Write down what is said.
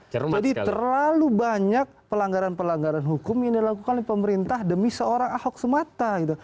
jadi terlalu banyak pelanggaran pelanggaran hukum yang dilakukan oleh pemerintah demi seorang ahok semata